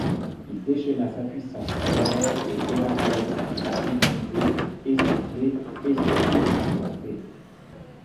Il déchaina sa puissance solaire, et Héraclès s'en trouva épuisé, essoufflé et surtout, assoiffé.